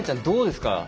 どうですか？